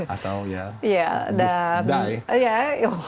atau ya just die